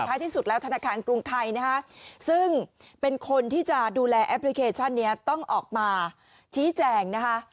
ที่สุดแล้วธนาคารกรุงไทยนะฮะซึ่งเป็นคนที่จะดูแลแอปพลิเคชันนี้ต้องออกมาชี้แจงนะคะ